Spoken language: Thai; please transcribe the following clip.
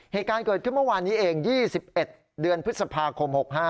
เหตุการณ์เกิดขึ้นเมื่อวานนี้เอง๒๑เดือนพฤษภาคม๖๕